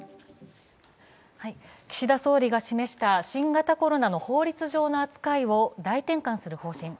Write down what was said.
岸田総理が示した新型コロナの法律上の扱いを大転換する方針。